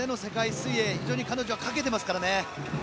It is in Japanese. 水泳非常に彼女はかけていますからね。